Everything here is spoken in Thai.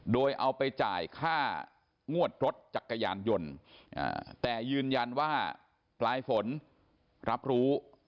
โดยเอาไปจ่ายค่างวดรถจักรยานยนต์แต่ยืนยันว่าปลายฝนรับรู้